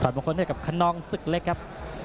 มงคลให้กับคนนองศึกเล็กครับ